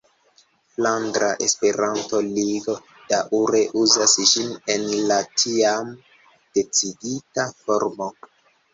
Flandra Esperanto-Ligo daŭre uzas ĝin en la tiam decidita formo.